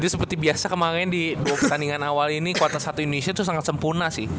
jadi seperti biasa kemarin di buku pertandingan awal ini quarter satu indonesia tuh sangat sempurna sih